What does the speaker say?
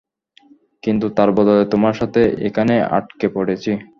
কিন্তু তার বদলে, তোমার সাথে এখানে আটকে পড়েছি।